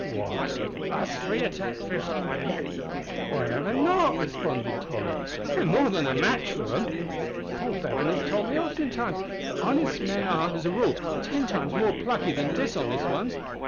"What! us three attack fifty men?" "Why not?" responded Tolly, "We're more than a match for 'em. Paul Bevan has told me oftentimes that honest men are, as a rule, ten times more plucky than dishonest ones.